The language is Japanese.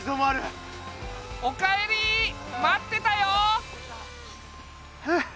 おかえり待ってたよ！